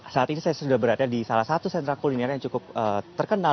saat ini saya sudah berada di salah satu sentra kuliner yang cukup terkenal